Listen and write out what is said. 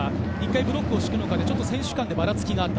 ブロックを敷くのかで選手間でばらつきがあった。